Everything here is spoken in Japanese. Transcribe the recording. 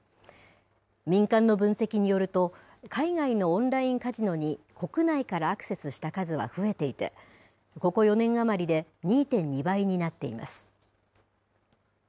民間の分析によると、海外のオンラインカジノに国内からアクセスした数は増えていて、ここ４年余りで、２．２倍になっています。